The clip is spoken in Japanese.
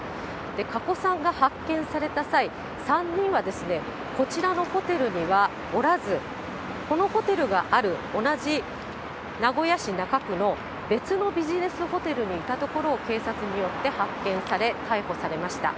加古さんが発見された際、３人はこちらのホテルにはおらず、このホテルがある同じ名古屋市中区の別のビジネスホテルにいたところを警察によって発見され逮捕されました。